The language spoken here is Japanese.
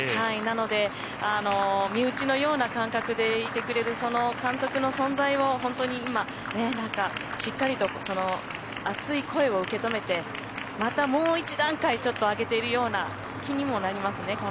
なので、身内のような感覚でいてくれるその監督の存在を本当に今しっかりと熱い声を受け止めてまたもう一段階上げているような気にもなりますね